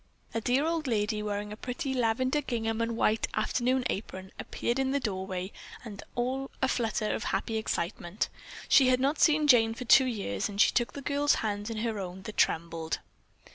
A dear old lady, wearing a pretty lavender gingham and a white "afternoon apron," appeared in the doorway all a flutter of happy excitement. She had not seen Jane for two years, and she took the girl's hands in her own that trembled.